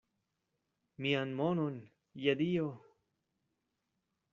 Mian monon, je Dio!